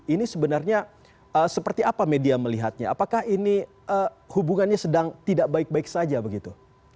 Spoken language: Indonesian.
ini sebenarnya seperti apa media melihatnya apakah ini hubungannya sedang tidak baik baik saja begitu